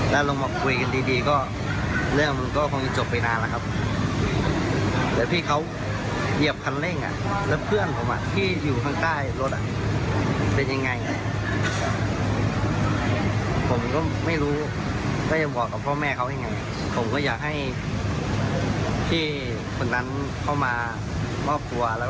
มาขอโทษของพ่อผู้เสียชีวิตครับ